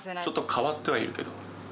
ちょっと変わってはいるけど。